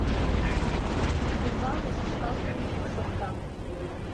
Умбалне шӱшкалтыме йӱк шокта.